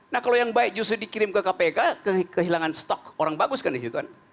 nah kalau yang baik justru dikirim ke kpk kehilangan stok orang bagus kan disitu kan